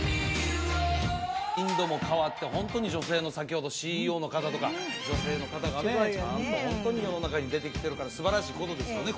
インドも変わってホントに女性の先ほどＣＥＯの方とか女性の方がねちゃんと世の中に出てきてるからすばらしいことですよね